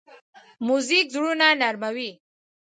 موزیک زړونه نرمه وي.